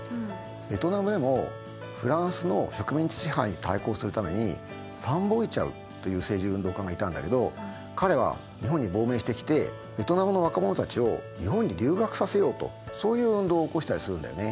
ベトナムでもフランスの植民地支配に対抗するためにファン・ボイ・チャウという政治運動家がいたんだけど彼は日本に亡命してきてベトナムの若者たちを日本に留学させようとそういう運動を起こしたりするんだよね。